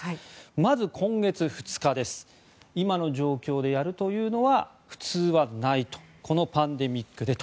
まず、今月２日今の状況でやるというのは普通はないとこのパンデミックでと。